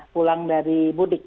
pulang dari budik